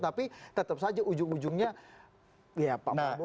tapi tetap saja ujung ujungnya ya pak prabowo